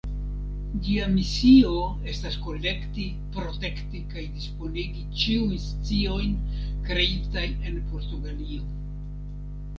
Ĝia misio estas kolekti, protekti kaj disponigi ĉiujn sciojn kreitaj en Portugalio.